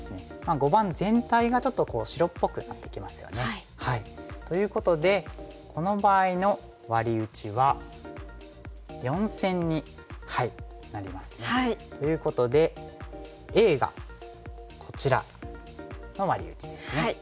碁盤全体がちょっと白っぽくなってきますよね。ということでこの場合のワリ打ちは４線になりますね。ということでＡがこちらのワリ打ちですね。